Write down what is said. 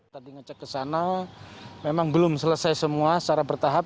tadi ngecek ke sana memang belum selesai semua secara bertahap